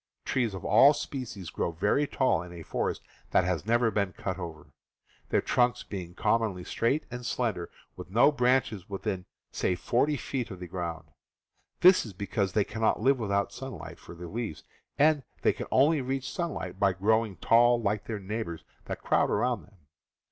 Trees of all species grow very tall in a forest that has never been cut over, their trunks being commonly ,^ straight and slender, with no branches within, say, forty feet of the ground. This is because they cannot live without sunlight for their leaves, and they can only reach sunlight by grow ing tall like their neighbors that crowd around them.